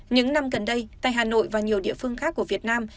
những năm gần đây tại hà nội và nhiều địa phương khác của việt nam